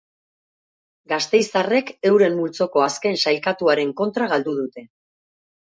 Gasteiztarrek euren multzoko azken sailkatuaren kontra galdu dute.